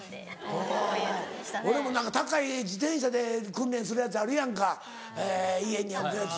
俺も高い自転車で訓練するやつあるやんか家に置くやつ。